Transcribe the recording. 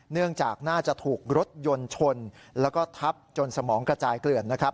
เนื่องจากน่าจะถูกรถยนต์ชนแล้วก็ทับจนสมองกระจายเกลื่อนนะครับ